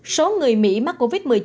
số người mỹ mắc covid một mươi chín